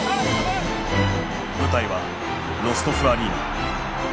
舞台はロストフアリーナ。